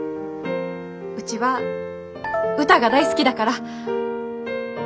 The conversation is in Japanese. うちは歌が大好きだから。